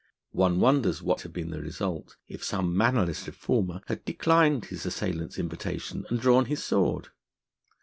One wonders what had been the result if some mannerless reformer had declined his assailant's invitation and drawn his sword.